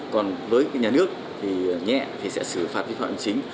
còn với nhà nước thì nhẹ thì sẽ xử phạt vi phạm hành chính